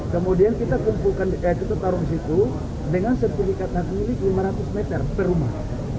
kemudian kita taruh ke situ dengan sertifikat yang dikeraja lima ratus meter per rumah